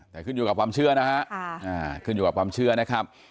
แต่ขึ้นอยู่กับความเชื่อนะฮะขึ้นอยู่กับความเชื่อนะครับ